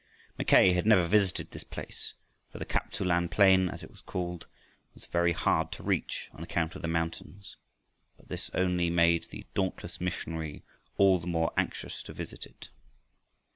Mackay had never visited this place, for the Kap tsu lan plain, as it was called, was very hard to reach on account of the mountains; but this only made the dauntless missionary all the more anxious to visit it.